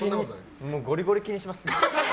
ゴリゴリ気にします。